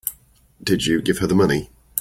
Did you give her the money?